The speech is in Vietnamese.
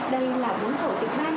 đây là bốn sổ trực ban